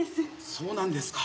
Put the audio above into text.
そうなんですか。